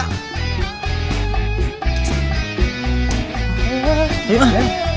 dek aku mau ke rumah